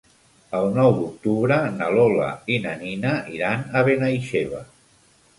El nou d'octubre na Lola i na Nina iran a Benaixeve.